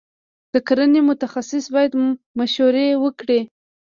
د کرنې متخصصین باید مشورې ورکړي.